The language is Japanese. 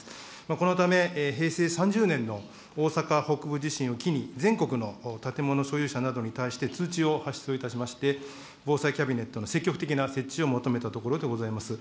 このため、平成３０年の大阪北部地震を機に、全国の建物所有者などに対して通知を発出をいたしまして、防災キャビネットの積極的に設置を求めたところでございます。